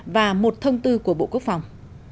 và một thông tư của bộ quốc phòng